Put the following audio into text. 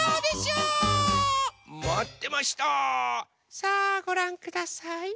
さあごらんください。